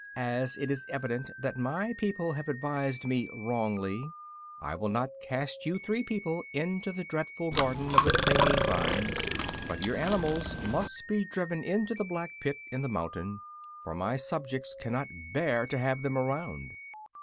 As it is evident that my people have advised me wrongly, I will not cast you three people into the dreadful Garden of the Clinging Vines; but your animals must be driven into the Black Pit in the mountain, for my subjects cannot bear to have them around."